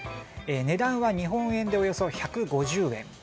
値段は日本円でおよそ１５０円。